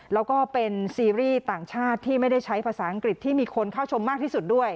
แล้วก็เป็นซีรีส์ต่างชาติที่ไม่ได้ใช้ภาษาอังกฤษที่มีคนเข้าชมมากที่สุดด้วย